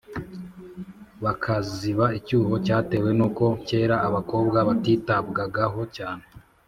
bakaziba icyuho cyatewe n’uko kera abakobwa batitabwagaho cyane